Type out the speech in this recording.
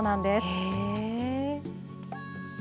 へえ。